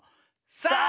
「さあ！」。